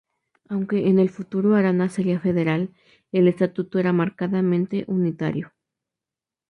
Aunque en el futuro Arana sería federal, el estatuto era marcadamente unitario.